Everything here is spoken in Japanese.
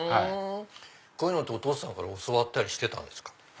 こういうのってお父さんから教わったりしてたんですか？